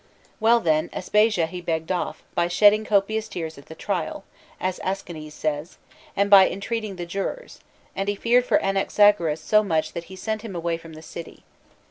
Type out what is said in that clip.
(Well, then, Aspasia he begged off, by shedding copious tears at the trial, as Aeschines says, and by entreating the jurors; and he feared for Anax agoras so much that he sent him away from the city.